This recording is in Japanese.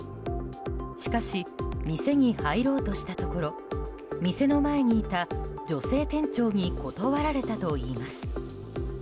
しかし、店に入ろうとしたところ店の前にいた女性店長に断られたといいます。